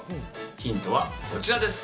ヒントは、こちらです。